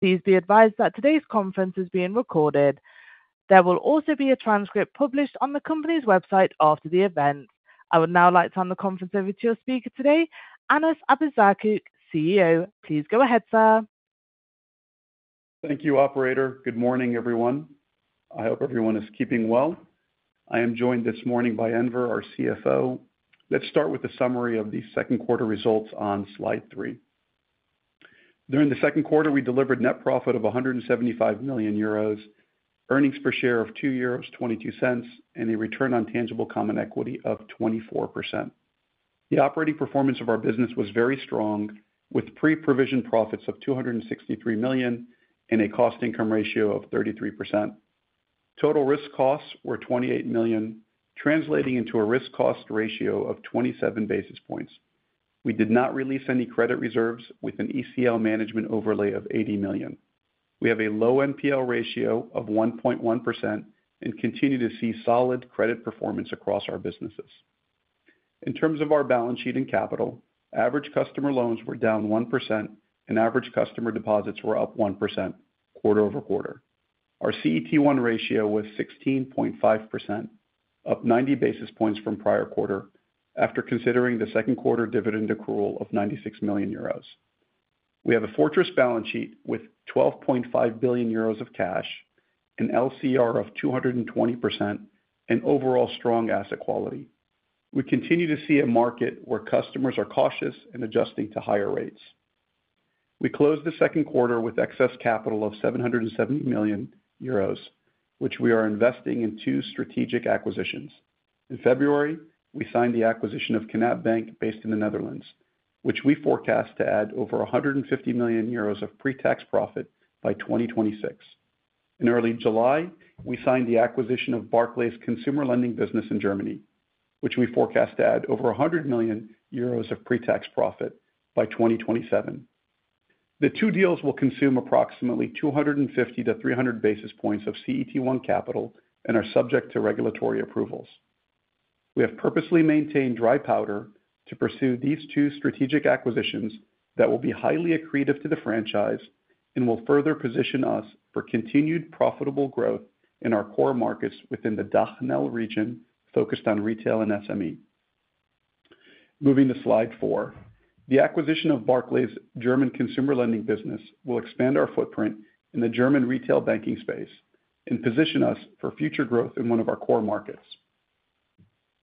Please be advised that today's conference is being recorded. There will also be a transcript published on the company's website after the event. I would now like to turn the conference over to your speaker today, Anas Abuzaakouk, CEO. Please go ahead, sir. Thank you, operator. Good morning, everyone. I hope everyone is keeping well. I am joined this morning by Enver, our CFO. Let's start with a summary of the second quarter results on slide three. During the second quarter, we delivered net profit of 175 million euros, earnings per share of 2.22 euros, and a return on tangible common equity of 24%. The operating performance of our business was very strong, with pre-provision profits of 263 million and a cost-income ratio of 33%. Total risk costs were 28 million, translating into a risk cost ratio of 27 basis points. We did not release any credit reserves with an ECL management overlay of 80 million. We have a low NPL ratio of 1.1% and continue to see solid credit performance across our businesses. In terms of our balance sheet and capital, average customer loans were down 1% and average customer deposits were up 1% quarter-over-quarter. Our CET1 ratio was 16.5%, up 90 basis points from prior quarter, after considering the second quarter dividend accrual of 96 million euros. We have a fortress balance sheet with 12.5 billion euros of cash, an LCR of 220%, and overall strong asset quality. We continue to see a market where customers are cautious and adjusting to higher rates. We closed the second quarter with excess capital of 770 million euros, which we are investing in two strategic acquisitions. In February, we signed the acquisition of Knab Bank, based in the Netherlands, which we forecast to add over 150 million euros of pre-tax profit by 2026. In early July, we signed the acquisition of Barclays' consumer lending business in Germany, which we forecast to add over 100 million euros of pre-tax profit by 2027. The two deals will consume approximately 250-300 basis points of CET1 capital and are subject to regulatory approvals. We have purposely maintained dry powder to pursue these two strategic acquisitions that will be highly accretive to the franchise and will further position us for continued profitable growth in our core markets within the DACH/NL region, focused on retail and SME. Moving to slide four. The acquisition of Barclays' German consumer lending business will expand our footprint in the German retail banking space and position us for future growth in one of our core markets.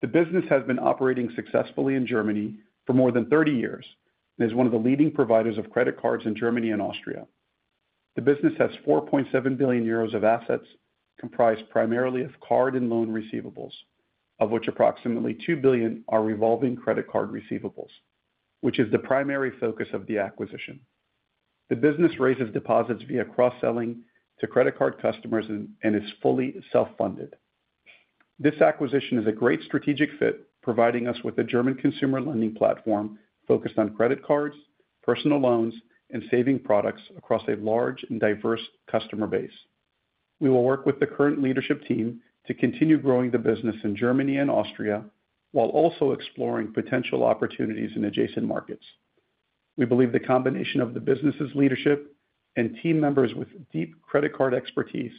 The business has been operating successfully in Germany for more than 30 years and is one of the leading providers of credit cards in Germany and Austria. The business has 4.7 billion euros of assets, comprised primarily of card and loan receivables, of which approximately 2 billion are revolving credit card receivables, which is the primary focus of the acquisition. The business raises deposits via cross-selling to credit card customers and is fully self-funded. This acquisition is a great strategic fit, providing us with a German consumer lending platform focused on credit cards, personal loans, and savings products across a large and diverse customer base. We will work with the current leadership team to continue growing the business in Germany and Austria, while also exploring potential opportunities in adjacent markets. We believe the combination of the business's leadership and team members with deep credit card expertise,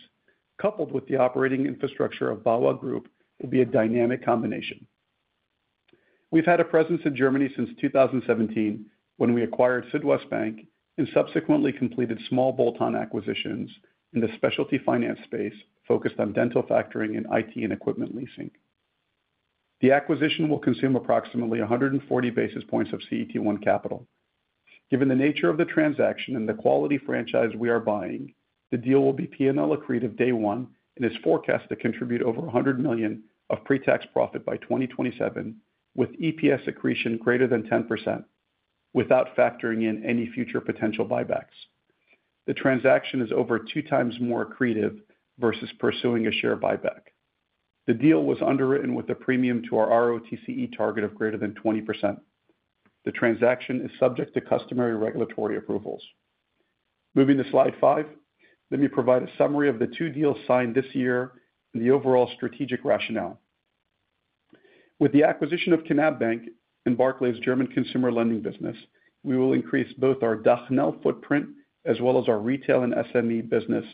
coupled with the operating infrastructure of BAWAG Group, will be a dynamic combination. We've had a presence in Germany since 2017, when we acquired Südwestbank and subsequently completed small bolt-on acquisitions in the specialty finance space, focused on dental factoring and IT and equipment leasing. The acquisition will consume approximately 140 basis points of CET1 capital. Given the nature of the transaction and the quality franchise we are buying, the deal will be P&L accretive day one and is forecast to contribute over 100 million of pre-tax profit by 2027, with EPS accretion greater than 10%, without factoring in any future potential buybacks. The transaction is over 2x more accretive versus pursuing a share buyback. The deal was underwritten with a premium to our ROTCE target of greater than 20%. The transaction is subject to customary regulatory approvals. Moving to slide five. Let me provide a summary of the two deals signed this year and the overall strategic rationale. With the acquisition of Knab Bank and Barclays' German consumer lending business, we will increase both our DAHNL footprint as well as our retail and SME business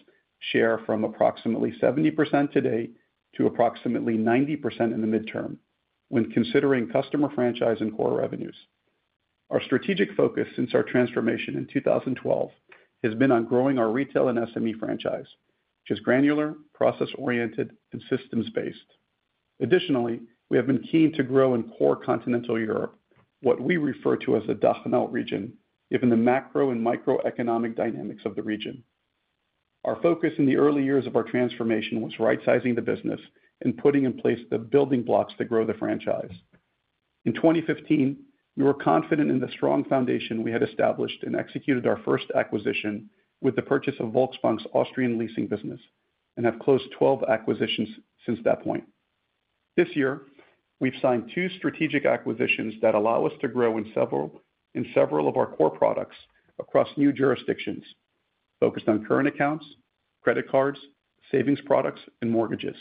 share from approximately 70% today to approximately 90% in the midterm when considering customer franchise and core revenues. Our strategic focus since our transformation in 2012 has been on growing our retail and SME franchise, which is granular, process-oriented, and systems-based. Additionally, we have been keen to grow in core continental Europe, what we refer to as the DAHNL region, given the macro and microeconomic dynamics of the region. Our focus in the early years of our transformation was rightsizing the business and putting in place the building blocks to grow the franchise. In 2015, we were confident in the strong foundation we had established and executed our first acquisition with the purchase of Volksbank's Austrian leasing business and have closed 12 acquisitions since that point. This year, we've signed two strategic acquisitions that allow us to grow in several of our core products across new jurisdictions focused on current accounts, credit cards, savings products, and mortgages.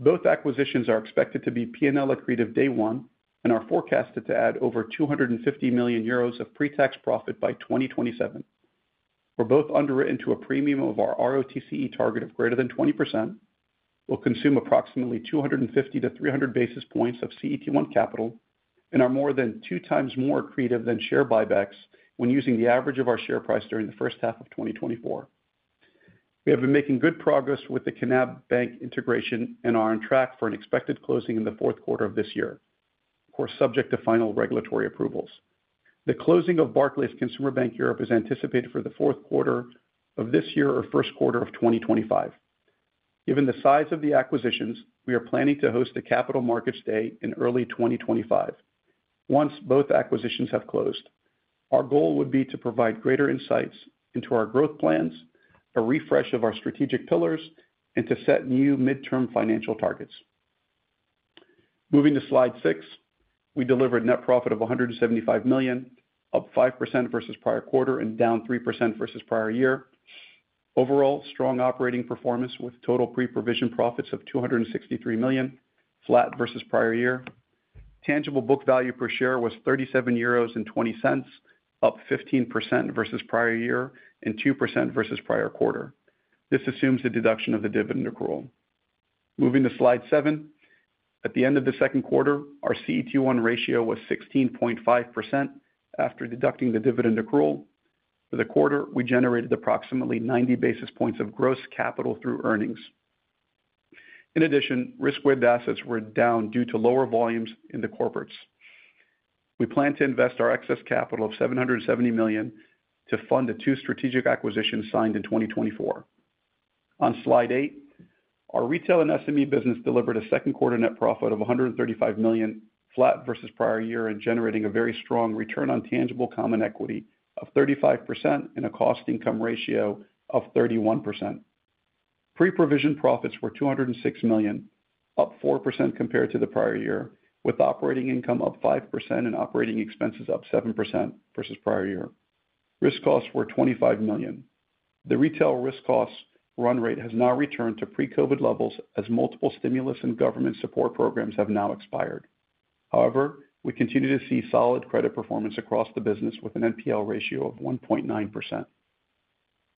Both acquisitions are expected to be PNL accretive day one and are forecasted to add over 250 million euros of pre-tax profit by 2027. We're both underwritten to a premium of our ROTCE target of greater than 20%, will consume approximately 250-300 basis points of CET1 capital, and are more than two times more accretive than share buybacks when using the average of our share price during the first half of 2024. We have been making good progress with the Knab Bank integration and are on track for an expected closing in the fourth quarter of this year, of course, subject to final regulatory approvals. The closing of Barclays Consumer Bank Europe is anticipated for the fourth quarter of this year or first quarter of 2025. Given the size of the acquisitions, we are planning to host a capital markets day in early 2025. Once both acquisitions have closed, our goal would be to provide greater insights into our growth plans, a refresh of our strategic pillars, and to set new midterm financial targets. Moving to Slide six, we delivered net profit of 175 million, up 5% versus prior quarter and down 3% versus prior year. Overall, strong operating performance with total pre-provision profits of 263 million, flat versus prior year. Tangible book value per share was 37.20 euros, up 15% versus prior year and 2% versus prior quarter. This assumes the deduction of the dividend accrual. Moving to Slide seven. At the end of the second quarter, our CET1 ratio was 16.5% after deducting the dividend accrual. For the quarter, we generated approximately 90 basis points of gross capital through earnings. In addition, risk-weighted assets were down due to lower volumes in the corporates. We plan to invest our excess capital of 770 million to fund the two strategic acquisitions signed in 2024. On Slide eight, our retail and SME business delivered a second quarter net profit of 135 million flat versus prior year, and generating a very strong return on tangible common equity of 35% and a cost-income ratio of 31%. Pre-provision profits were 206 million, up 4% compared to the prior year, with operating income up 5% and operating expenses up 7% versus prior year. Risk costs were 25 million. The retail risk cost run rate has now returned to pre-COVID levels as multiple stimulus and government support programs have now expired. However, we continue to see solid credit performance across the business with an NPL ratio of 1.9%.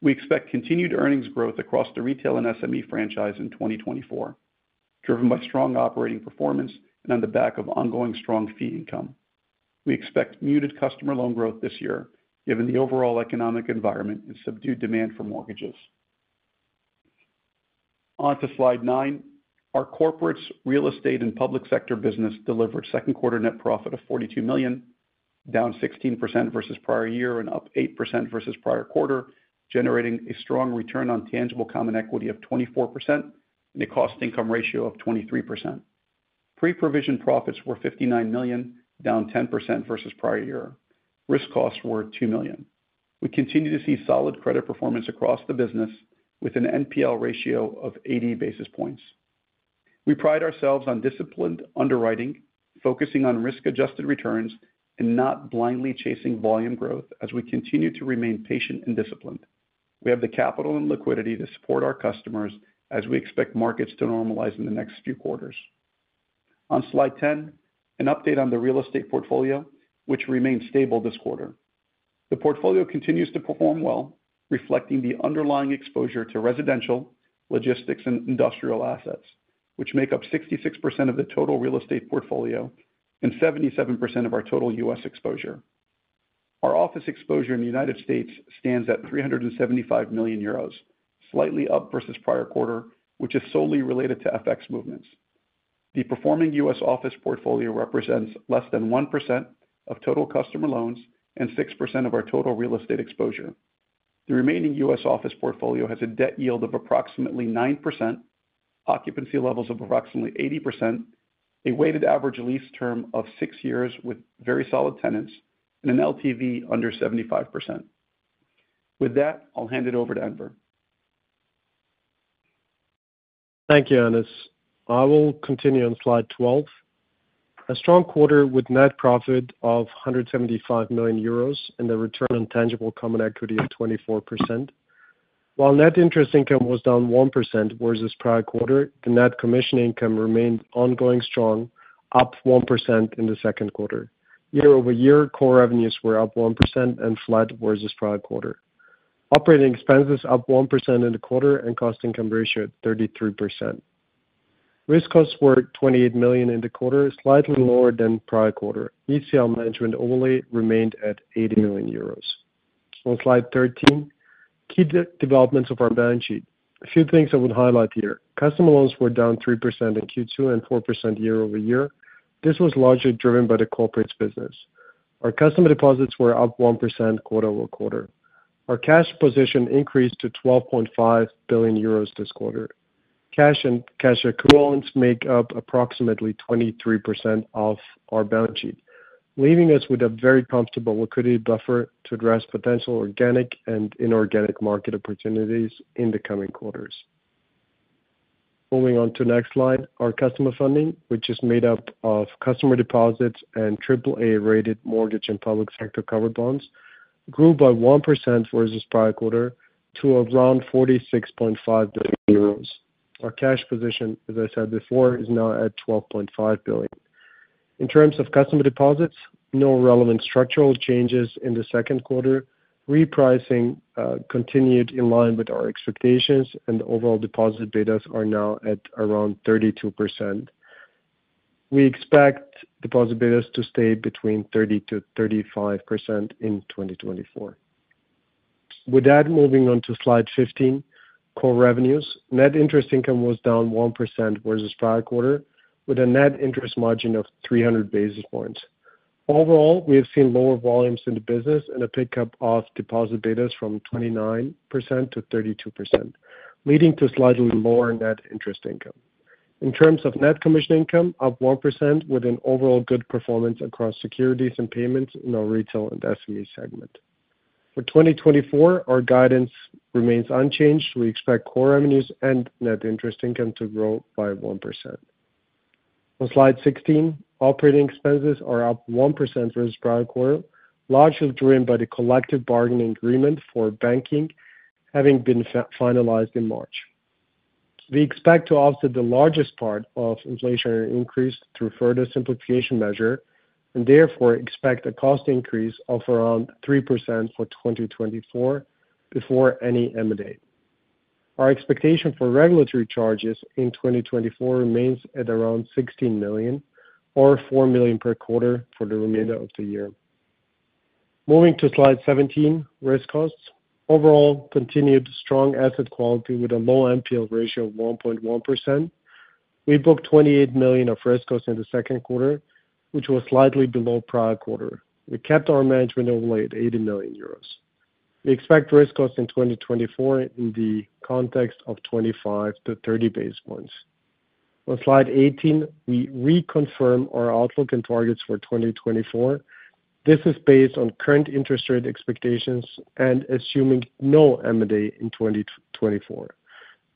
We expect continued earnings growth across the retail and SME franchise in 2024, driven by strong operating performance and on the back of ongoing strong fee income. We expect muted customer loan growth this year, given the overall economic environment and subdued demand for mortgages. On to Slide nine. Our corporates, real estate, and public sector business delivered second quarter net profit of 42 million, down 16% versus prior year and up 8% versus prior quarter, generating a strong return on tangible common equity of 24% and a cost-income ratio of 23%. Pre-provision profits were 59 million, down 10% versus prior year. Risk costs were 2 million. We continue to see solid credit performance across the business with an NPL ratio of 80 basis points. We pride ourselves on disciplined underwriting, focusing on risk-adjusted returns and not blindly chasing volume growth as we continue to remain patient and disciplined. We have the capital and liquidity to support our customers as we expect markets to normalize in the next few quarters. On Slide 10, an update on the real estate portfolio, which remains stable this quarter. The portfolio continues to perform well, reflecting the underlying exposure to residential, logistics, and industrial assets, which make up 66% of the total real estate portfolio and 77% of our total U.S. exposure. Our office exposure in the United States stands at 375 million euros, slightly up versus prior quarter, which is solely related to FX movements. The performing U.S. office portfolio represents less than 1% of total customer loans and 6% of our total real estate exposure. The remaining U.S. office portfolio has a debt yield of approximately 9%, occupancy levels of approximately 80%, a weighted average lease term of six years with very solid tenants, and an LTV under 75%. With that, I'll hand it over to Enver. Thank you, Anas. I will continue on slide 12. A strong quarter with net profit of 175 million euros and the return on tangible common equity of 24%. While net interest income was down 1% versus prior quarter, the net commission income remained ongoing strong, up 1% in the second quarter. Year-over-year, core revenues were up 1% and flat versus prior quarter. Operating expenses up 1% in the quarter and cost-income ratio at 33%. Risk costs were 28 million in the quarter, slightly lower than prior quarter. ECL management only remained at 80 million euros. On slide 13, key developments of our balance sheet. A few things I would highlight here: customer loans were down 3% in Q2 and 4% year-over-year. This was largely driven by the corporates business. Our customer deposits were up 1% quarter-over-quarter. Our cash position increased to 12.5 billion euros this quarter. Cash and cash equivalents make up approximately 23% of our balance sheet, leaving us with a very comfortable liquidity buffer to address potential organic and inorganic market opportunities in the coming quarters. Moving on to next slide. Our customer funding, which is made up of customer deposits and triple-A-rated mortgage and public sector covered bonds, grew by 1% versus prior quarter to around 46.5 billion euros. Our cash position, as I said before, is now at 12.5 billion. In terms of customer deposits, no relevant structural changes in the second quarter. Repricing continued in line with our expectations, and overall deposit betas are now at around 32%. We expect deposit betas to stay between 30%-35% in 2024. With that, moving on to slide 15, core revenues. Net interest income was down 1% versus prior quarter, with a net interest margin of 300 basis points. Overall, we have seen lower volumes in the business and a pickup of deposit betas from 29%-32%, leading to slightly lower net interest income. In terms of net commission income, up 1% with an overall good performance across securities and payments in our retail and SME segment. For 2024, our guidance remains unchanged. We expect core revenues and net interest income to grow by 1%. On slide 16, operating expenses are up 1% versus prior quarter, largely driven by the collective bargaining agreement for banking, having been finalized in March. We expect to offset the largest part of inflationary increase through further simplification measure, and therefore expect a cost increase of around 3% for 2024 before any M&A. Our expectation for regulatory charges in 2024 remains at around 16 million or 4 million per quarter for the remainder of the year. Moving to slide 17, risk costs. Overall, continued strong asset quality with a low NPL ratio of 1.1%. We booked 28 million of risk costs in the second quarter, which was slightly below prior quarter. We kept our management overlay at 80 million euros. We expect risk costs in 2024 in the context of 25-30 base points. On slide 18, we reconfirm our outlook and targets for 2024. This is based on current interest rate expectations and assuming no M&A in 2024.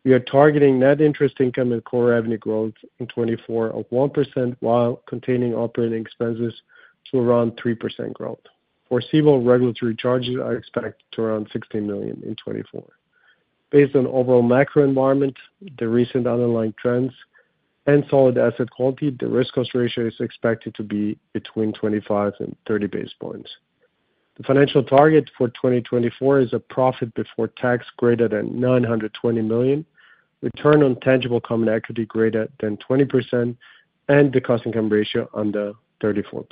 We are targeting net interest income and core revenue growth in 2024 of 1%, while containing operating expenses to around 3% growth. For receivable regulatory charges are expected to around 16 million in 2024. Based on overall macro environment, the recent underlying trends and solid asset quality, the risk cost ratio is expected to be between 25 and 30 basis points. The financial target for 2024 is a profit before tax greater than 920 million, return on tangible common equity greater than 20%, and the cost-income ratio under 34%.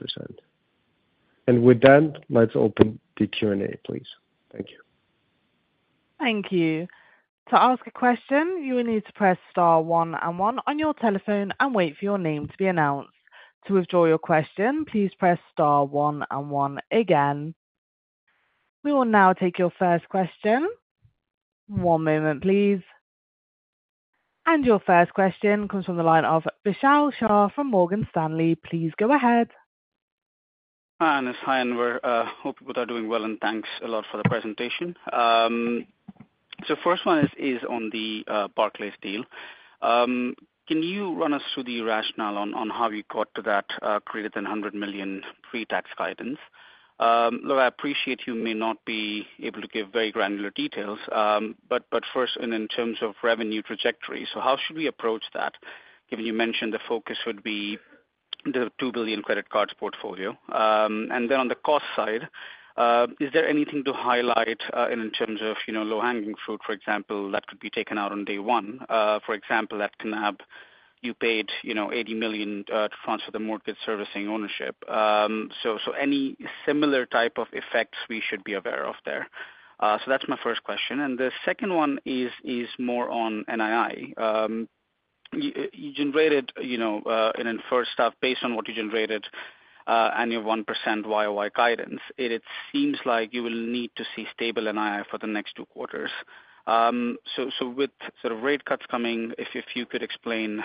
With that, let's open the Q&A, please. Thank you. Thank you. To ask a question, you will need to press star one and one on your telephone and wait for your name to be announced. To withdraw your question, please press star one and one again. We will now take your first question. One moment, please. Your first question comes from the line of Vishal Shah from Morgan Stanley. Please go ahead. Hi, Anas. Hi, Enver. Hope you both are doing well, and thanks a lot for the presentation. So first one is on the Barclays deal. Can you run us through the rationale on how you got to that greater than 100 million pre-tax guidance? Look, I appreciate you may not be able to give very granular details, but first and in terms of revenue trajectory, so how should we approach that, given you mentioned the focus would be the 2 billion credit cards portfolio? And then on the cost side, is there anything to highlight in terms of, you know, low-hanging fruit, for example, that could be taken out on day one? For example, at Knab, you paid, you know, 80 million to transfer the mortgage servicing ownership. So any similar type of effects we should be aware of there? So that's my first question. And the second one is more on NII. You generated, you know, and then first off, based on what you generated, annual 1% YOY guidance, it seems like you will need to see stable NII for the next two quarters. So with sort of rate cuts coming, if you could explain,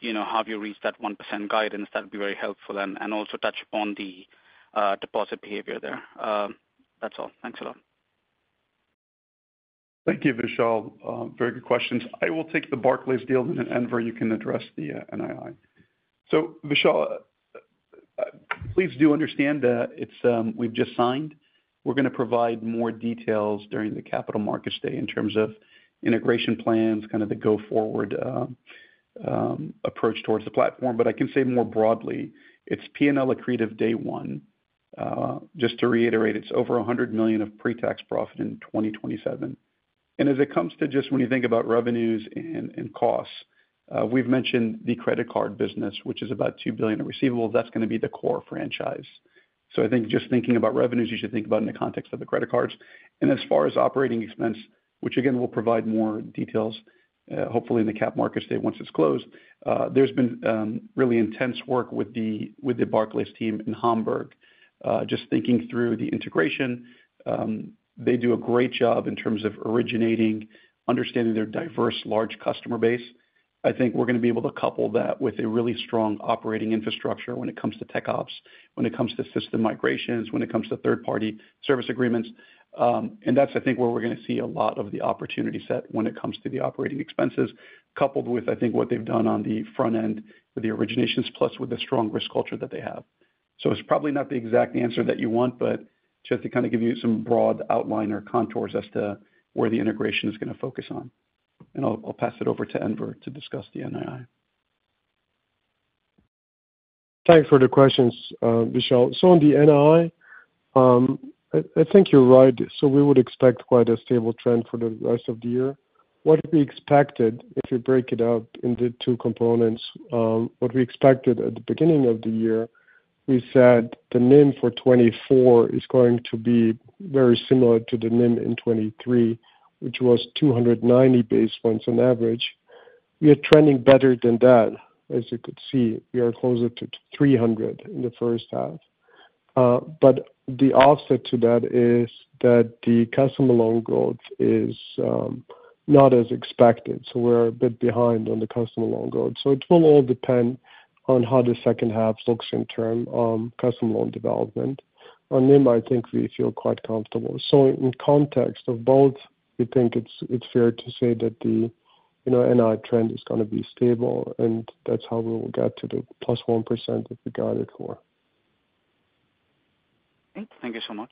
you know, how you reached that 1% guidance, that would be very helpful. And also touch on the deposit behavior there. That's all. Thanks a lot. Thank you, Vishal. Very good questions. I will take the Barclays deal, and then, Enver, you can address the NII. So Vishal, please do understand that it's we've just signed. We're gonna provide more details during the Capital Markets Day in terms of integration plans, kind of the go-forward approach towards the platform. But I can say more broadly, it's P&L accretive day one. Just to reiterate, it's over 100 million of pre-tax profit in 2027. And as it comes to just when you think about revenues and costs, we've mentioned the credit card business, which is about 2 billion in receivables. That's gonna be the core franchise. So I think just thinking about revenues, you should think about in the context of the credit cards. And as far as operating expense, which again, we'll provide more details, hopefully in the Cap Markets Day once it's closed, there's been really intense work with the Barclays team in Hamburg. Just thinking through the integration, they do a great job in terms of originating, understanding their diverse, large customer base. I think we're gonna be able to couple that with a really strong operating infrastructure when it comes to tech ops, when it comes to system migrations, when it comes to third-party service agreements. And that's, I think, where we're gonna see a lot of the opportunity set when it comes to the operating expenses, coupled with, I think, what they've done on the front end with the originations, plus with the strong risk culture that they have.... so it's probably not the exact answer that you want, but just to kind of give you some broad outline or contours as to where the integration is gonna focus on. And I'll, I'll pass it over to Enver to discuss the NII. Thanks for the questions, Michelle. So on the NII, I think you're right. So we would expect quite a stable trend for the rest of the year. What we expected, if you break it out in the two components, what we expected at the beginning of the year, we said the NIM for 2024 is going to be very similar to the NIM in 2023, which was 290 basis points on average. We are trending better than that. As you could see, we are closer to 300 in the first half. But the offset to that is that the customer loan growth is not as expected, so we're a bit behind on the customer loan growth. So it will all depend on how the second half looks in terms of customer loan development. On NIM, I think we feel quite comfortable. So in context of both, we think it's, it's fair to say that the, you know, NII trend is gonna be stable, and that's how we will get to the plus 1% that we guided for. Thank you so much.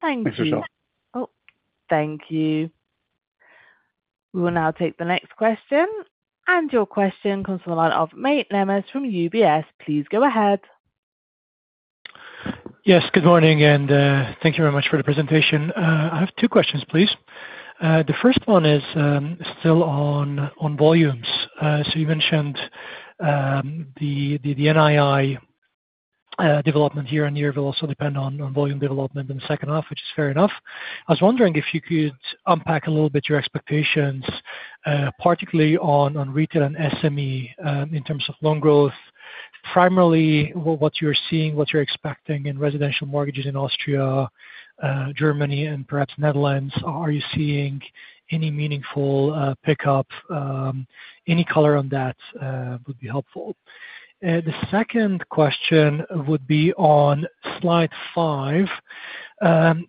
Thank you. Thanks, Michelle. Oh, thank you. We will now take the next question, and your question comes from the line of Máté Nemes from UBS. Please go ahead. Yes, good morning, and, thank you very much for the presentation. I have two questions, please. The first one is still on volumes. So you mentioned the NII development here, and here will also depend on volume development in the second half, which is fair enough. I was wondering if you could unpack a little bit your expectations, particularly on retail and SME in terms of loan growth. Primarily, what you're seeing, what you're expecting in residential mortgages in Austria, Germany, and perhaps Netherlands. Are you seeing any meaningful pickup? Any color on that would be helpful. The second question would be on slide five.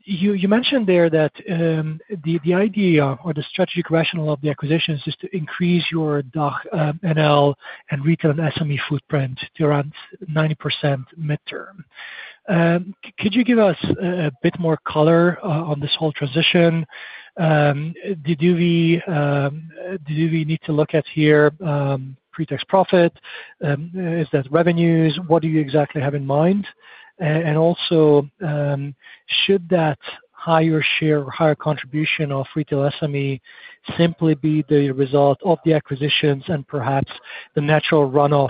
You mentioned there that the idea or the strategic rationale of the acquisitions is to increase your DACH NL and retail and SME footprint to around 90% midterm. Could you give us a bit more color on this whole transition? Do we need to look at here pretax profit? Is that revenues? What do you exactly have in mind? And also, should that higher share or higher contribution of retail SME simply be the result of the acquisitions and perhaps the natural runoff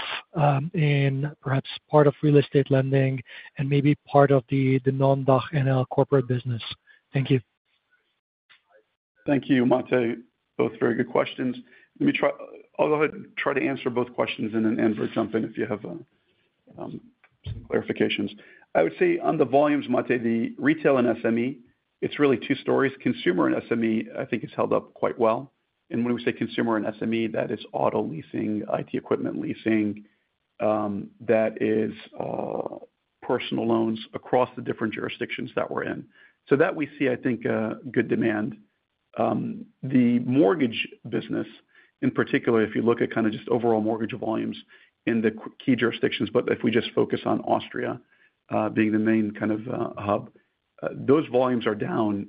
in perhaps part of real estate lending and maybe part of the non-DACH NL corporate business? Thank you. Thank you, Máté. Both very good questions. Let me try. I'll go ahead and try to answer both questions, and then Enver, jump in if you have some clarifications. I would say on the volumes, Máté, the retail and SME, it's really two stories. Consumer and SME, I think, has held up quite well. And when we say consumer and SME, that is auto leasing, IT equipment leasing, that is personal loans across the different jurisdictions that we're in. So that we see, I think, a good demand. The mortgage business, in particular, if you look at kind of just overall mortgage volumes in the key jurisdictions, but if we just focus on Austria, being the main kind of hub, those volumes are down,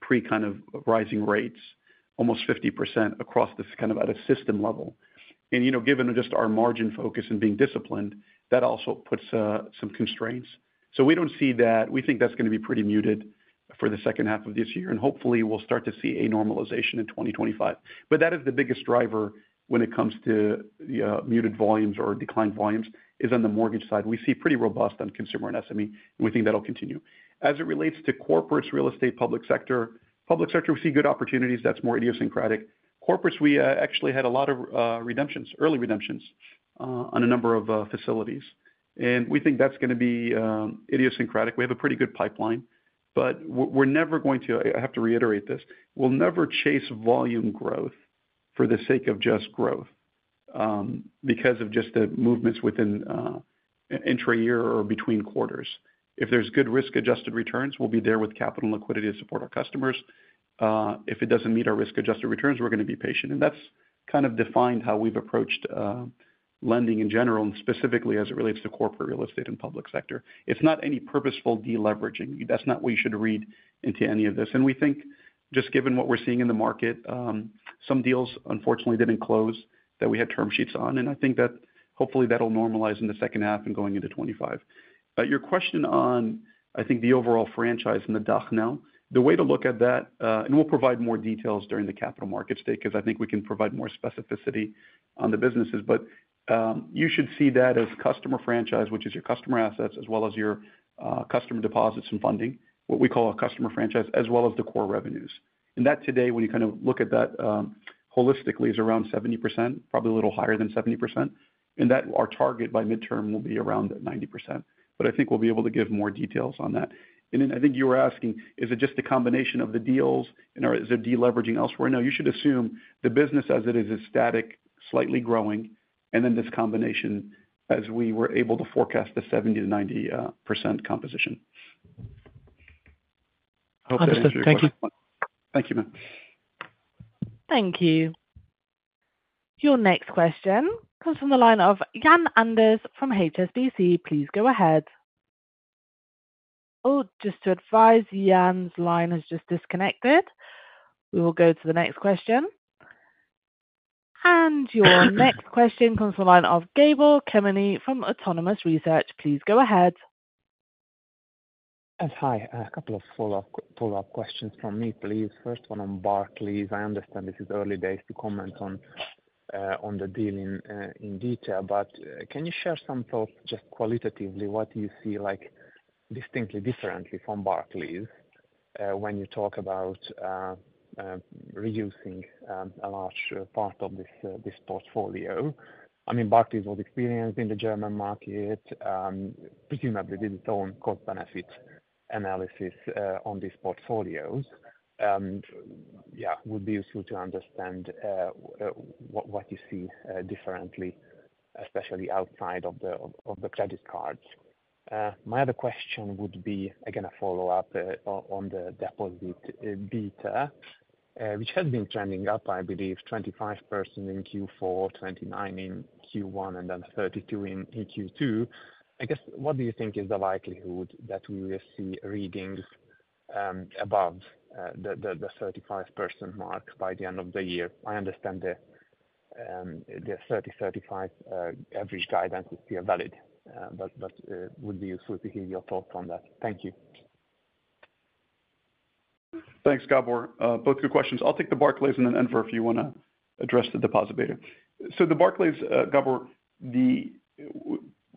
pre kind of rising rates, almost 50% across this kind of at a system level. You know, given just our margin focus and being disciplined, that also puts some constraints. So we don't see that. We think that's gonna be pretty muted for the second half of this year, and hopefully we'll start to see a normalization in 2025. But that is the biggest driver when it comes to muted volumes or declined volumes, is on the mortgage side. We see pretty robust on consumer and SME, and we think that'll continue. As it relates to corporates, real estate, public sector. Public sector, we see good opportunities that's more idiosyncratic. Corporates, we actually had a lot of redemptions, early redemptions on a number of facilities, and we think that's gonna be idiosyncratic. We have a pretty good pipeline, but we're never going to... I have to reiterate this: We'll never chase volume growth for the sake of just growth, because of just the movements within intra-year or between quarters. If there's good risk-adjusted returns, we'll be there with capital and liquidity to support our customers. If it doesn't meet our risk-adjusted returns, we're gonna be patient, and that's kind of defined how we've approached lending in general, and specifically as it relates to corporate, real estate, and public sector. It's not any purposeful deleveraging. That's not what you should read into any of this. And we think, just given what we're seeing in the market, some deals unfortunately didn't close that we had term sheets on, and I think that hopefully that'll normalize in the second half and going into 25. But your question on, I think, the overall franchise in the DACH now, the way to look at that, and we'll provide more details during the Capital Markets Day, because I think we can provide more specificity on the businesses. But, you should see that as customer franchise, which is your customer assets, as well as your, customer deposits and funding, what we call a customer franchise, as well as the core revenues. And that today, when you kind of look at that, holistically, is around 70%, probably a little higher than 70%, and that our target by midterm will be around 90%. But I think we'll be able to give more details on that. And then I think you were asking, is it just a combination of the deals and/or is it deleveraging elsewhere? No, you should assume the business as it is, is static, slightly growing, and then this combination as we were able to forecast the 70%-90% composition.... Hope that answers your question. Thank you, ma'am. Thank you. Your next question comes from the line of Jan Anders from HSBC. Please go ahead. Oh, just to advise, Jan's line has just disconnected. We will go to the next question. Your next question comes from the line of Gabor Kemeny from Autonomous Research. Please go ahead. Hi. A couple of follow-up questions from me, please. First one on Barclays. I understand this is early days to comment on the deal in detail, but can you share some thoughts, just qualitatively, what you see like distinctly differently from Barclays when you talk about reducing a large part of this portfolio? I mean, Barclays was experienced in the German market, presumably did its own cost benefit analysis on these portfolios. Yeah, would be useful to understand what you see differently, especially outside of the credit cards. My other question would be, again, a follow-up on the deposit beta, which has been trending up, I believe 25% in Q4, 29 in Q1, and then 32 in Q2. I guess, what do you think is the likelihood that we will see readings above the 35% mark by the end of the year? I understand the 35 average guidance is still valid, but would be useful to hear your thoughts on that. Thank you. Thanks, Gabor. Both good questions. I'll take the Barclays and then Enver, if you wanna address the deposit beta. So the Barclays, Gabor,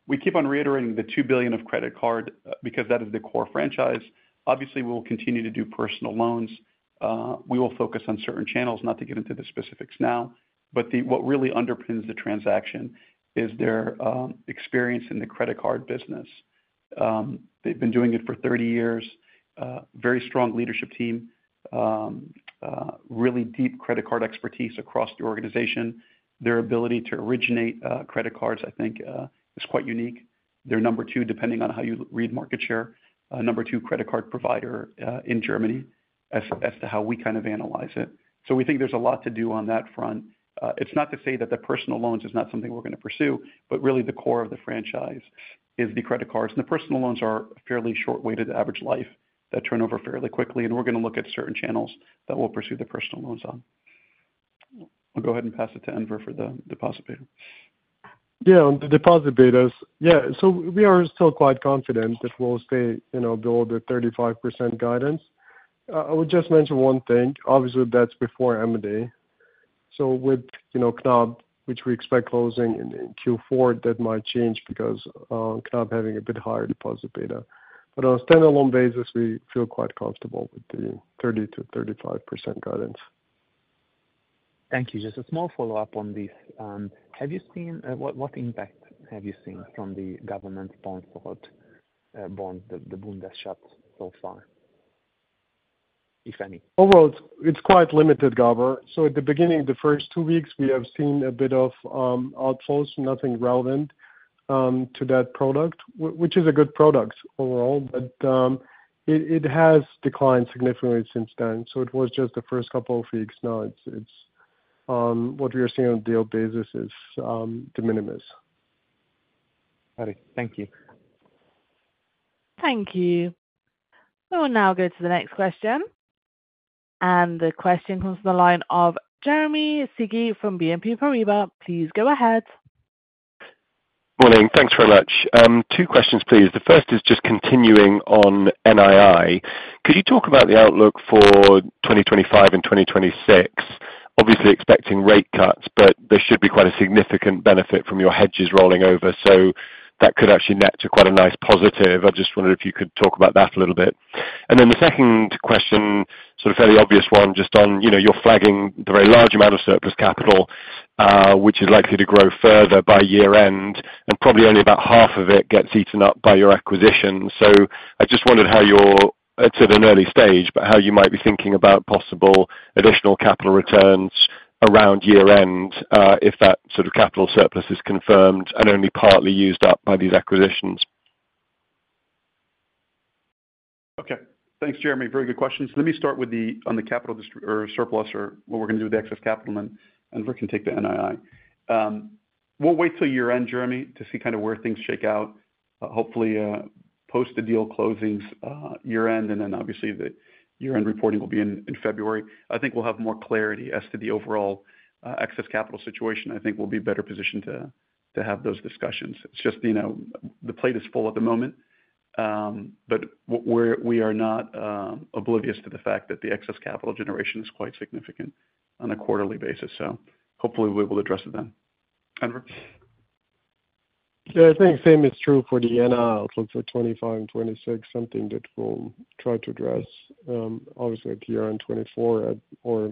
we keep on reiterating the 2 billion of credit card, because that is the core franchise. Obviously, we'll continue to do personal loans. We will focus on certain channels, not to get into the specifics now, but what really underpins the transaction is their experience in the credit card business. They've been doing it for 30 years. Very strong leadership team. Really deep credit card expertise across the organization. Their ability to originate credit cards, I think, is quite unique. They're number two, depending on how you read market share, number two credit card provider in Germany, as to how we kind of analyze it. So we think there's a lot to do on that front. It's not to say that the personal loans is not something we're gonna pursue, but really the core of the franchise is the credit cards. And the personal loans are fairly short-weighted average life that turn over fairly quickly, and we're gonna look at certain channels that will pursue the personal loans on. I'll go ahead and pass it to Enver for the deposit beta. Yeah, on the deposit betas. Yeah, so we are still quite confident that we'll stay, you know, below the 35% guidance. I would just mention one thing, obviously, that's before M&A. So with, you know, Knab, which we expect closing in Q4, that might change because Knab having a bit higher deposit beta. But on a standalone basis, we feel quite comfortable with the 30%-35% guidance. Thank you. Just a small follow-up on this. What impact have you seen from the government bond product, the Bundesschatz so far, if any? Overall, it's quite limited, Gabor. So at the beginning, the first two weeks, we have seen a bit of outflows, nothing relevant to that product, which is a good product overall, but it has declined significantly since then. So it was just the first couple of weeks. Now, it's what we are seeing on a daily basis is de minimis. Got it. Thank you. Thank you. We will now go to the next question, and the question comes from the line of Jeremy Sigee from BNP Paribas. Please go ahead. Morning. Thanks very much. Two questions, please. The first is just continuing on NII. Could you talk about the outlook for 2025 and 2026? Obviously expecting rate cuts, but there should be quite a significant benefit from your hedges rolling over, so that could actually net to quite a nice positive. I just wondered if you could talk about that a little bit. And then the second question, sort of fairly obvious one, just on, you know, you're flagging the very large amount of surplus capital, which is likely to grow further by year end, and probably only about half of it gets eaten up by your acquisition. I just wondered how you're, it's at an early stage, but how you might be thinking about possible additional capital returns around year end, if that sort of capital surplus is confirmed and only partly used up by these acquisitions? Okay. Thanks, Jeremy. Very good questions. Let me start with the, on the capital distri- or surplus or what we're going to do with the excess capital, and Enver can take the NII. We'll wait till year end, Jeremy, to see kind of where things shake out. Hopefully, post the deal closings, year end, and then obviously, the year-end reporting will be in February. I think we'll have more clarity as to the overall, excess capital situation. I think we'll be better positioned to have those discussions. It's just, you know, the plate is full at the moment, but we're, we are not oblivious to the fact that the excess capital generation is quite significant on a quarterly basis. So hopefully, we will address it then. Enver? Yeah, I think the same is true for the NI outlook for 2025 and 2026, something that we'll try to address, obviously at year end 2024 at, or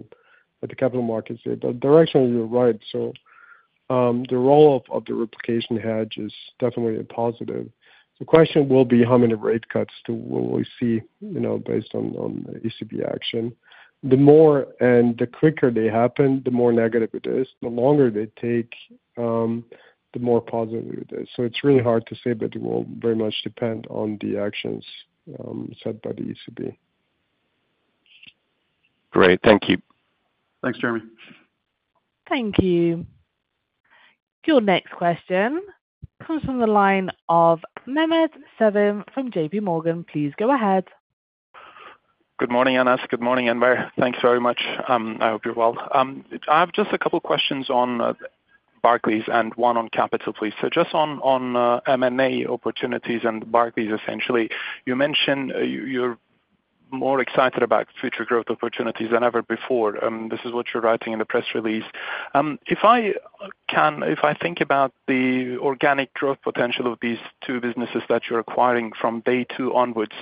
at the Capital Markets Day. But directionally, you're right. So, the roll-off of the replication hedge is definitely a positive. The question will be how many rate cuts will we see, you know, based on, on ECB action? The more and the quicker they happen, the more negative it is. The longer they take, the more positive it is. So it's really hard to say, but it will very much depend on the actions, set by the ECB.... Great. Thank you. Thanks, Jeremy. Thank you. Your next question comes from the line of Mehmet Sevim from JP Morgan. Please go ahead. Good morning, Anas. Good morning, Enver. Thanks very much. I hope you're well. I have just a couple questions on Barclays and one on capital, please. So just on M&A opportunities and Barclays, essentially, you mentioned you're more excited about future growth opportunities than ever before. This is what you're writing in the press release. If I think about the organic growth potential of these two businesses that you're acquiring from day two onwards,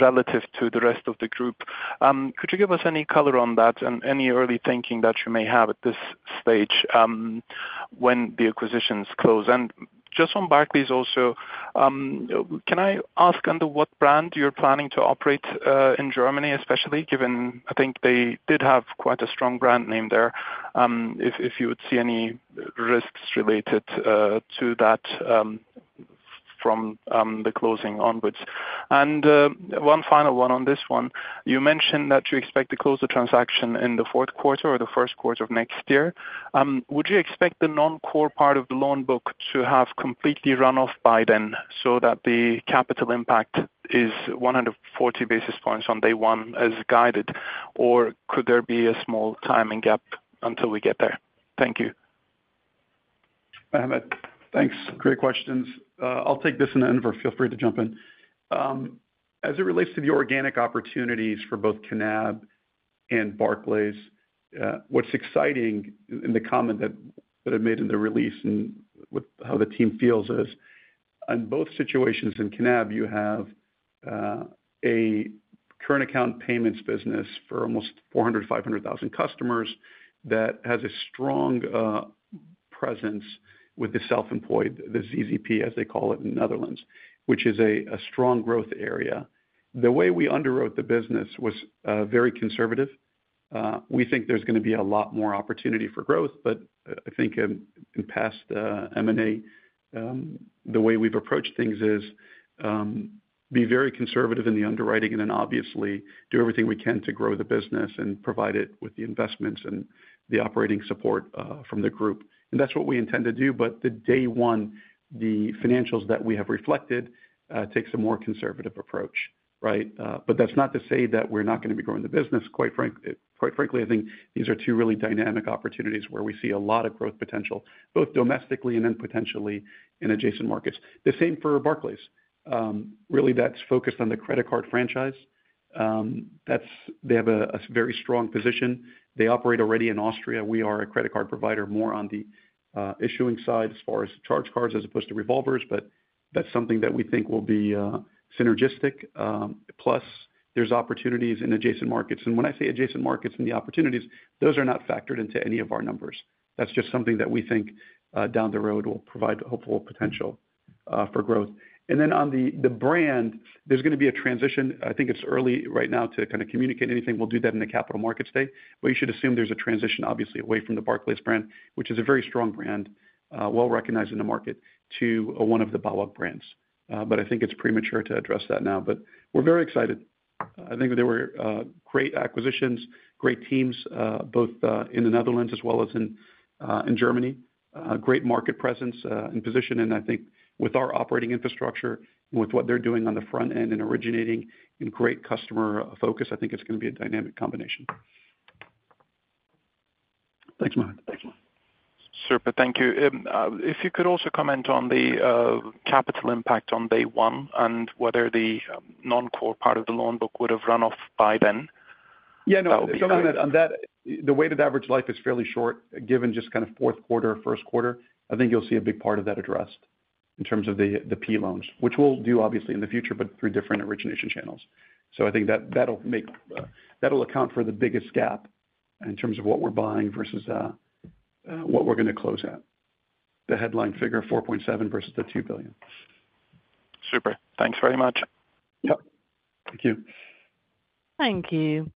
relative to the rest of the group, could you give us any color on that and any early thinking that you may have at this stage, when the acquisitions close? And just on Barclays also, can I ask under what brand you're planning to operate in Germany, especially given I think they did have quite a strong brand name there, if you would see any risks related to that from the closing onwards? And one final one on this one. You mentioned that you expect to close the transaction in the fourth quarter or the first quarter of next year. Would you expect the non-core part of the loan book to have completely run off by then so that the capital impact is 140 basis points on day one as guided? Or could there be a small timing gap until we get there? Thank you. Mehmet, thanks. Great questions. I'll take this, and Enver, feel free to jump in. As it relates to the organic opportunities for both Knab and Barclays, what's exciting in the comment that I made in the release and with how the team feels is, on both situations, in Knab, you have a current account payments business for almost 400-500,000 customers that has a strong presence with the self-employed, the ZZP, as they call it in Netherlands, which is a strong growth area. The way we underwrote the business was very conservative. We think there's gonna be a lot more opportunity for growth, but I think in past M&A the way we've approached things is to be very conservative in the underwriting and then obviously do everything we can to grow the business and provide it with the investments and the operating support from the group. That's what we intend to do. But the day one financials that we have reflected takes a more conservative approach, right? But that's not to say that we're not gonna be growing the business. Quite frankly, I think these are two really dynamic opportunities where we see a lot of growth potential, both domestically and then potentially in adjacent markets. The same for Barclays. Really that's focused on the credit card franchise. That's, they have a very strong position. They operate already in Austria. We are a credit card provider, more on the issuing side as far as charge cards as opposed to revolvers, but that's something that we think will be synergistic. Plus, there's opportunities in adjacent markets. And when I say adjacent markets and the opportunities, those are not factored into any of our numbers. That's just something that we think down the road will provide hopeful potential for growth. And then on the brand, there's gonna be a transition. I think it's early right now to kind of communicate anything. We'll do that in the Capital Markets Day. But you should assume there's a transition, obviously, away from the Barclays brand, which is a very strong brand, well-recognized in the market, to one of the BAWAG brands. But I think it's premature to address that now, but we're very excited. I think they were great acquisitions, great teams, both in the Netherlands as well as in Germany. Great market presence and position, and I think with our operating infrastructure, with what they're doing on the front end and originating and great customer focus, I think it's gonna be a dynamic combination. Thanks, Mehmet. Thanks, Mehmet. Super. Thank you. If you could also comment on the capital impact on day one and whether the non-core part of the loan book would have run off by then? Yeah, no, on that, on that, the weighted average life is fairly short, given just kind of fourth quarter, first quarter. I think you'll see a big part of that addressed in terms of the P loans, which we'll do obviously in the future, but through different origination channels. So I think that, that'll make, that'll account for the biggest gap in terms of what we're buying versus what we're gonna close at. The headline figure, 4.7 billion versus the 2 billion. Super. Thanks very much. Yep. Thank you. Thank you.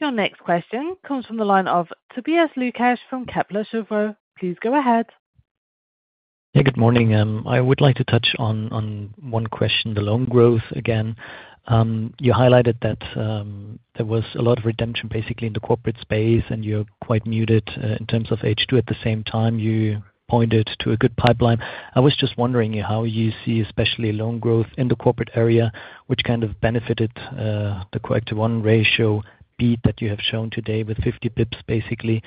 Your next question comes from the line of Tobias Lukesch from Kepler Cheuvreux. Please go ahead. Hey, good morning. I would like to touch on one question, the loan growth again. You highlighted that there was a lot of redemption, basically, in the corporate space, and you're quite muted in terms of H2. At the same time, you pointed to a good pipeline. I was just wondering how you see, especially loan growth in the corporate area, which kind of benefited the CET1 ratio beat that you have shown today with 50 basis points, basically.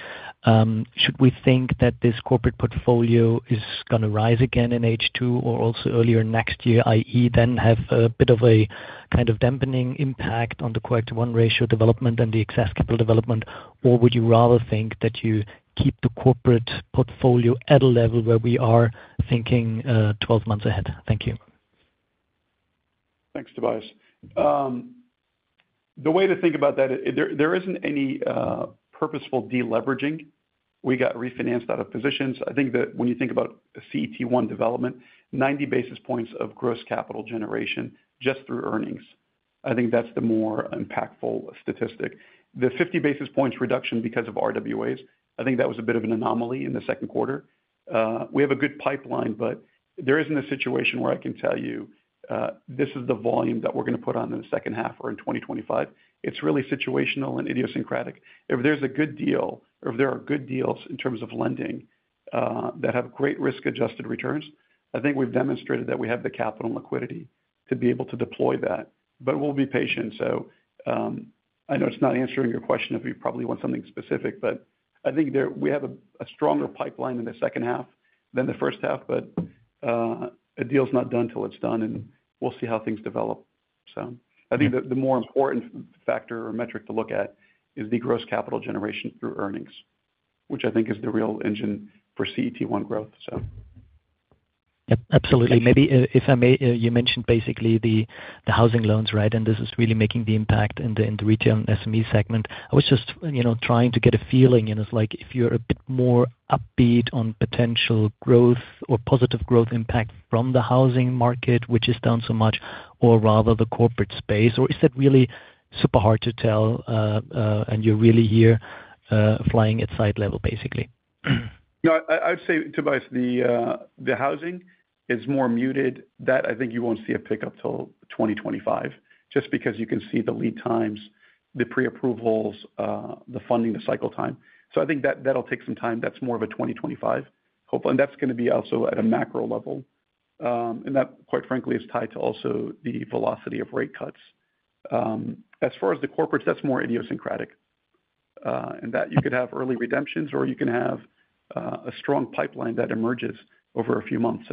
Should we think that this corporate portfolio is gonna rise again in H2 or also earlier next year, i.e., then have a bit of a kind of dampening impact on the CET1 ratio development and the excess capital development? Or would you rather think that you keep the corporate portfolio at a level where we are thinking 12 months ahead? Thank you. Thanks, Tobias. The way to think about that is there, there isn't any purposeful deleveraging. We got refinanced out of positions. I think that when you think about CET1 development, 90 basis points of gross capital generation just through earnings, I think that's the more impactful statistic. The 50 basis points reduction because of RWAs, I think that was a bit of an anomaly in the second quarter. We have a good pipeline, but there isn't a situation where I can tell you this is the volume that we're gonna put on in the second half or in 2025. It's really situational and idiosyncratic. If there's a good deal or if there are good deals in terms of lending that have great risk-adjusted returns, I think we've demonstrated that we have the capital and liquidity to be able to deploy that. But we'll be patient. So, I know it's not answering your question, if you probably want something specific, but I think we have a stronger pipeline in the second half than the first half, but a deal's not done till it's done, and we'll see how things develop. So I think the more important factor or metric to look at is the gross capital generation through earnings, which I think is the real engine for CET1 growth, so. Yep, absolutely. Maybe, if I may, you mentioned basically the, the housing loans, right? And this is really making the impact in the, in the retail and SME segment. I was just, you know, trying to get a feeling, and it's like if you're a bit more upbeat on potential growth or positive growth impact from the housing market, which is down so much, or rather the corporate space, or is that really super hard to tell, and you're really here, flying at sight level, basically? No, I'd say, Tobias, the housing is more muted. That, I think you won't see a pickup till 2025, just because you can see the lead times, the pre-approvals, the funding, the cycle time. So I think that'll take some time. That's more of a 2025 hope, and that's gonna be also at a macro level. And that, quite frankly, is tied to also the velocity of rate cuts. As far as the corporates, that's more idiosyncratic, in that you could have early redemptions or you can have, a strong pipeline that emerges over a few months.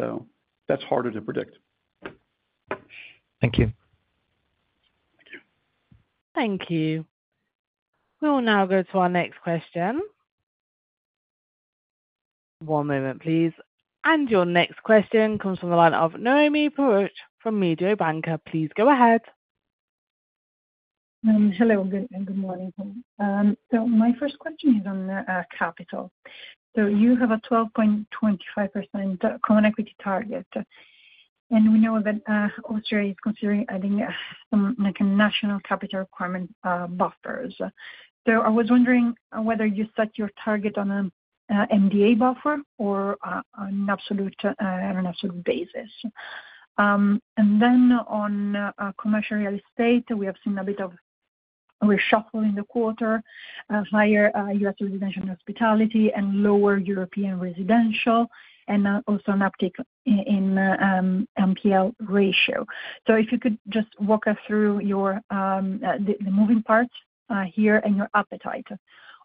So that's harder to predict. Thank you. Thank you. Thank you. We will now go to our next question. One moment, please. Your next question comes from the line of Noemi Peruch from Mediobanca. Please go ahead. Hello, good morning. So my first question is on capital. So you have a 12.25% common equity target, and we know that OSRA is considering adding some, like, a national capital requirement buffers. So I was wondering whether you set your target on a MDA buffer or an absolute on an absolute basis. And then on commercial real estate, we have seen a bit of reshuffle in the quarter of higher U.S. residential and hospitality and lower European residential, and also an uptick in NPL ratio. So if you could just walk us through the moving parts here and your appetite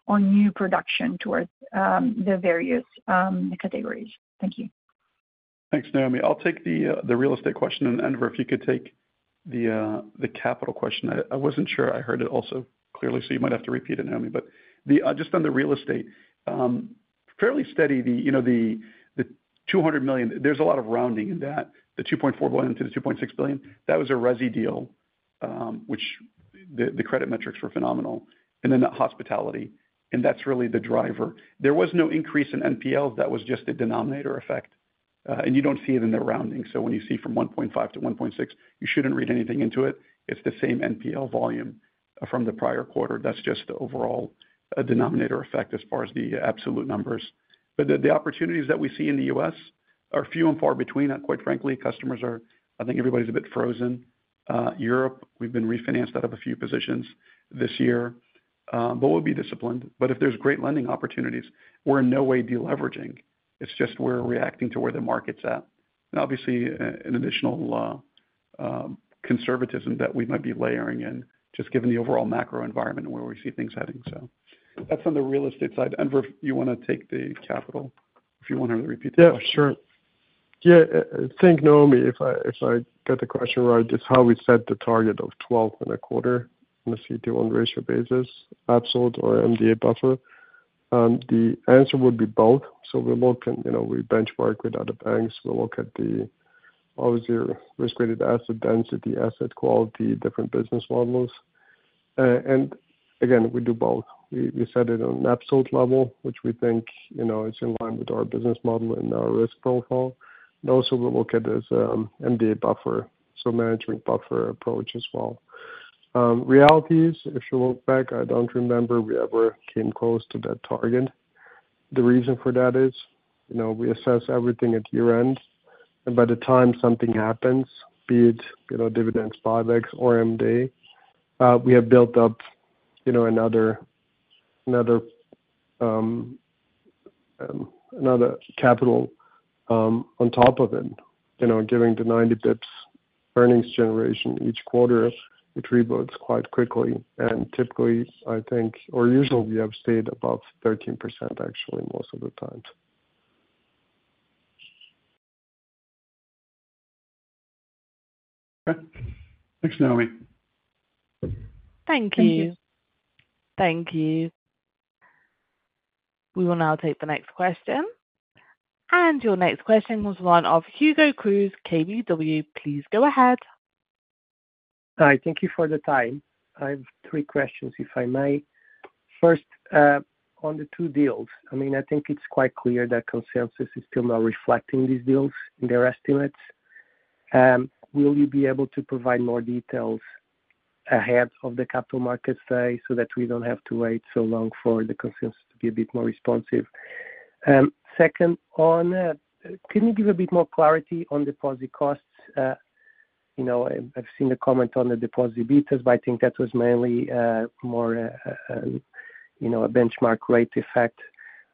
on new production towards the various categories. Thank you. Thanks, Noemi. I'll take the real estate question, and Enver, if you could take the capital question. I wasn't sure I heard it clearly, so you might have to repeat it, Noemi. But just on the real estate, fairly steady, you know, the 200 million, there's a lot of rounding in that. The 2.4 billion-2.6 billion, that was a resi deal, which the credit metrics were phenomenal, and then the hospitality, and that's really the driver. There was no increase in NPLs. That was just a denominator effect, and you don't see it in the rounding. So when you see from 1.5%-1.6%, you shouldn't read anything into it. It's the same NPL volume from the prior quarter. That's just the overall, denominator effect as far as the absolute numbers. But the, the opportunities that we see in the U.S. are few and far between, and quite frankly, customers are... I think everybody's a bit frozen. Europe, we've been refinanced out of a few positions this year, but we'll be disciplined. But if there's great lending opportunities, we're in no way deleveraging. It's just we're reacting to where the market's at. And obviously, an additional, conservatism that we might be layering in, just given the overall macro environment and where we see things heading. So that's on the real estate side. Enver, you want to take the capital, if you want to repeat the question? Yeah, sure. Yeah, I think, Noemi, if I, if I got the question right, is how we set the target of 12.25% CET1 ratio basis, absolute or MDA buffer? The answer would be both. So we look and, you know, we benchmark with other banks. We look at the, obviously, risk-weighted asset density, asset quality, different business models. And again, we do both. We, we set it on an absolute level, which we think, you know, is in line with our business model and our risk profile. And also we look at this, MDA buffer, so management buffer approach as well. In reality, if you look back, I don't remember we ever came close to that target. The reason for that is, you know, we assess everything at year-end, and by the time something happens, be it, you know, dividends, buybacks or MDA, we have built up, you know, another, another, another capital, on top of it. You know, given the 90 basis points earnings generation each quarter, it reboots quite quickly. And typically, I think, or usually we have stayed above 13% actually, most of the times. Okay. Thanks, Noemi. Thank you. Thank you. We will now take the next question. Your next question comes from Hugo Cruz of KBW. Please go ahead. Hi, thank you for the time. I have three questions, if I may. First, on the two deals, I mean, I think it's quite clear that consensus is still not reflecting these deals in their estimates.... will you be able to provide more details ahead of the Capital Markets Day so that we don't have to wait so long for the consensus to be a bit more responsive? Second, on, can you give a bit more clarity on deposit costs? You know, I, I've seen the comment on the deposit betas, but I think that was mainly more a benchmark rate effect.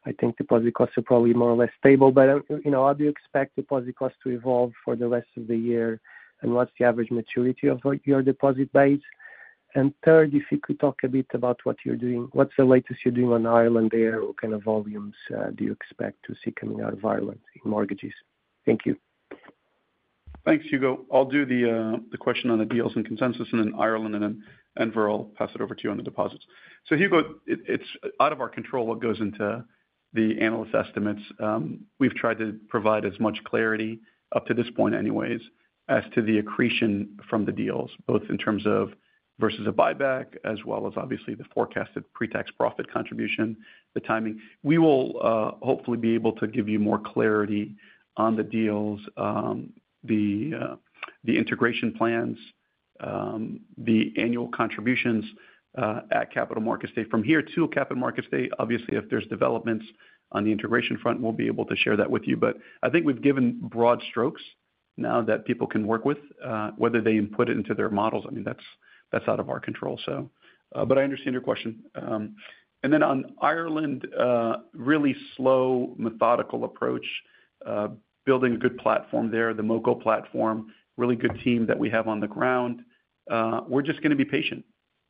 I think deposit costs are probably more or less stable, but, you know, how do you expect deposit costs to evolve for the rest of the year, and what's the average maturity of your deposit base? And third, if you could talk a bit about what you're doing, what's the latest you're doing on Ireland there? What kind of volumes do you expect to see coming out of Ireland in mortgages? Thank you. Thanks, Hugo. I'll do the question on the deals and consensus, and then Ireland, and then Enver, pass it over to you on the deposits. So Hugo, it's out of our control what goes into the analyst estimates. We've tried to provide as much clarity, up to this point anyways, as to the accretion from the deals, both in terms of versus a buyback, as well as obviously the forecasted pre-tax profit contribution, the timing. We will hopefully be able to give you more clarity on the deals, the integration plans, the annual contributions, at Capital Markets Day. From here to Capital Markets Day, obviously, if there's developments on the integration front, we'll be able to share that with you. But I think we've given broad strokes now that people can work with. Whether they input it into their models, I mean, that's out of our control, so but I understand your question. And then on Ireland, really slow, methodical approach, building a good platform there, the local platform, really good team that we have on the ground. We're just gonna be patient,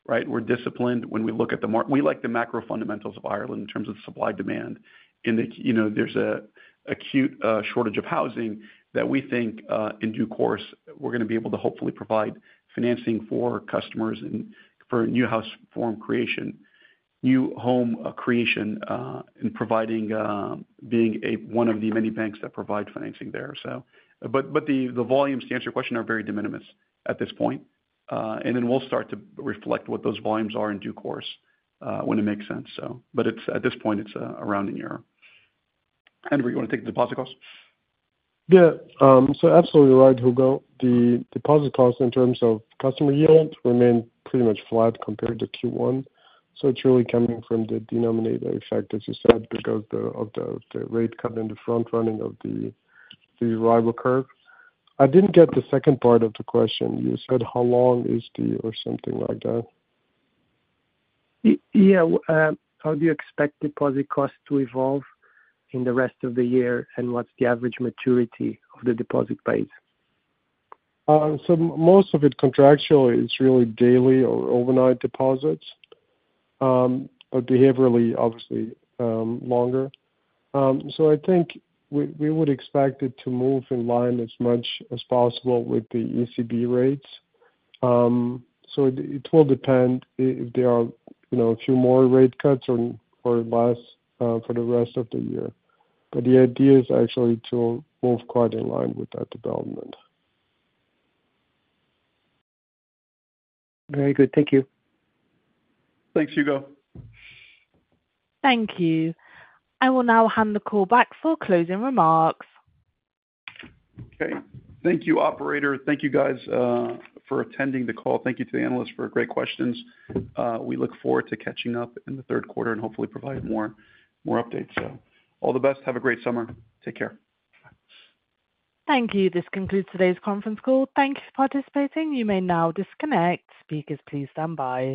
right? We're disciplined when we look at the market. We like the macro fundamentals of Ireland in terms of supply-demand. And, you know, there's an acute shortage of housing that we think, in due course, we're gonna be able to hopefully provide financing for customers and for new housing formation, new home creation, and providing, being one of the many banks that provide financing there, so. But the volumes, to answer your question, are very de minimis at this point. And then we'll start to reflect what those volumes are in due course, when it makes sense so. But it's at this point a rounding error. Henry, you want to take the deposit costs? Yeah. So absolutely right, Hugo. The deposit costs in terms of customer yield remain pretty much flat compared to Q1, so it's really coming from the denominator effect, as you said, because of the rate cut in the front running of the RFR curve. I didn't get the second part of the question. You said, how long is the, or something like that? Yeah, how do you expect deposit costs to evolve in the rest of the year, and what's the average maturity of the deposit base? So most of it contractually is really daily or overnight deposits, but behaviorally, obviously, longer. So I think we would expect it to move in line as much as possible with the ECB rates. So it will depend if there are, you know, a few more rate cuts or less for the rest of the year. But the idea is actually to move quite in line with that development. Very good. Thank you. Thanks, Hugo. Thank you. I will now hand the call back for closing remarks. Okay. Thank you, operator. Thank you guys for attending the call. Thank you to the analysts for great questions. We look forward to catching up in the third quarter and hopefully provide more, more updates. All the best. Have a great summer. Take care. Thank you. This concludes today's conference call. Thank you for participating. You may now disconnect. Speakers, please stand by.